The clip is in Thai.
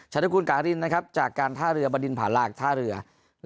ชาติคุณกาฮิลนะครับจากการท่าเรือบรรดินผ่านลากท่าเรือแล้ว